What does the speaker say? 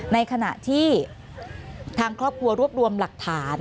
ในขณะที่ทางครอบครัวรวบรวมหลักฐาน